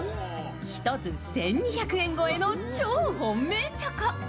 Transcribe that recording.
１つ１２００円超えの超本命チョコ。